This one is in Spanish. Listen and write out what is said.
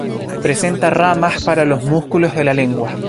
Presenta ramas para los músculos de la lengua.